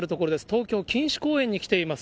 東京・錦糸公園に来ています。